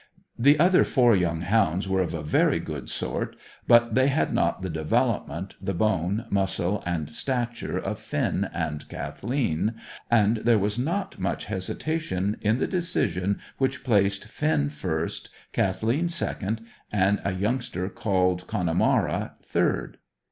The other four young hounds were of a very good sort, but they had not the development, the bone, muscle, and stature of Finn and Kathleen, and there was not much hesitation in the decision which placed Finn first, Kathleen second, and a youngster called Connemara third.